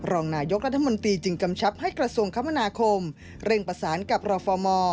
รองนายกรัฐมนตรีจึงกำชับให้กระทรวงคมนาคมเร่งประสานกับรฟม